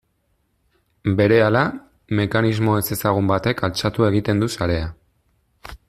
Berehala, mekanismo ezezagun batek altxatu egiten du sarea.